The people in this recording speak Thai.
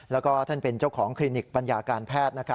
แล้วก็ท่านเป็นเจ้าของคลินิกปัญญาการแพทย์